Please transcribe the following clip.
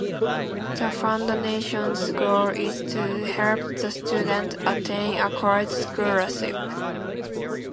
The Foundation's goal is to help the students attain a college scholarship.